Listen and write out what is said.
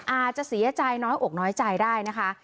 อาจจะเสียใจน้อยอกน้อยใจได้นะคะ